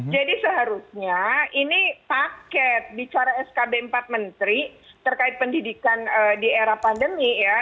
jadi seharusnya ini paket bicara skb empat menteri terkait pendidikan di era pandemi ya